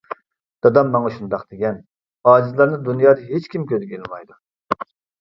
دادام ماڭا شۇنداق دېگەن: ئاجىزلارنى دۇنيادا ھېچكىم كۆزگە ئىلمايدۇ!